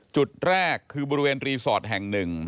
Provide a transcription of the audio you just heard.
จุดแรกคือบริเวณรีสอร์ทแห่งหนึ่ง